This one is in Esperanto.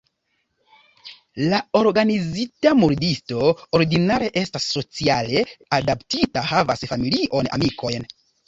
La organizita murdisto ordinare estas sociale adaptita, havas familion, amikojn.